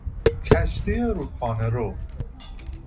کشتی رودخانهرو